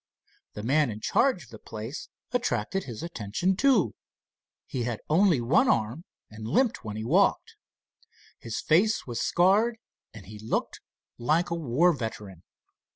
The man in charge of the place attracted his attention, too. He had only one arm and limped when he walked. His face was scarred and he looked like a war veteran.